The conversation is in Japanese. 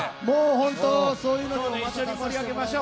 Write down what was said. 本当そういうので一緒に盛り上げましょう。